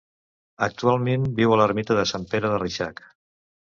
Actualment viu a l'ermita de Sant Pere de Reixac.